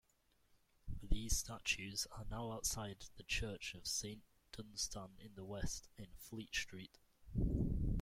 These statues are now outside the church of Saint Dunstan-in-the-West, in Fleet Street.